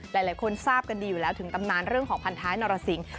หลายคนทราบกันดีอยู่แล้วถึงตำนานเรื่องของพันท้ายนรสิง